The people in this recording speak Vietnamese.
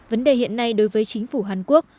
vấn đề hiện nay đối với chính phủ hàn quốc